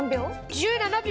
１７秒。